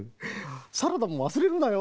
「サラダもわすれるなよ